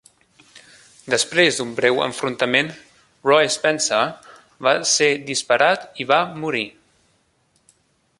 Després d'un breu enfrontament, Roy Spencer va ser disparat i va morir.